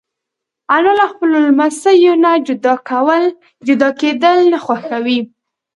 انا له خپلو لمسیو نه جدا کېدل نه خوښوي